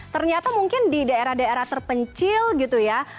ternyata mungkin di daerah daerah terpencil gitu ya